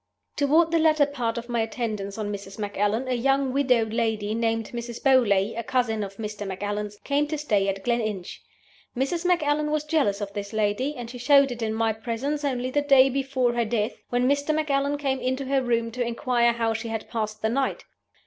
"Toward the latter part of my attendance on Mrs. Macallan, a young widow lady named Mrs. Beauly a cousin of Mr. Macallan's came to stay at Gleninch. Mrs. Macallan was jealous of this lady; and she showed it in my presence only the day before her death, when Mr. Macallan came into her room to inquire how she had passed the night.